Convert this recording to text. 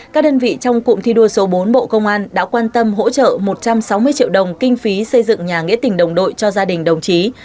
các đơn vị trong cụm thi đua số bốn bộ công an đã quan tâm hỗ trợ một trăm sáu mươi triệu đồng kinh phí xây dựng nhà nghĩa tình đồng đội cho gia đình đồng chí